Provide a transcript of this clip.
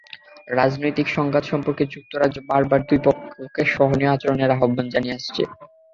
রাজনৈতিক সংঘাত সম্পর্কে যুক্তরাজ্য বারবার দুই পক্ষকে সহনীয় আচরণের আহ্বান জানিয়ে আসছে।